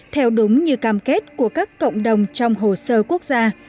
theo đúng như cam kết của các cộng đồng trong hồ sơ quốc gia